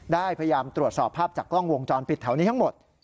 พยายามตรวจสอบภาพจากกล้องวงจรปิดแถวนี้ทั้งหมด